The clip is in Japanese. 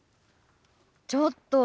ちょっと！